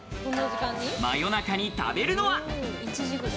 夜中に食べるのは？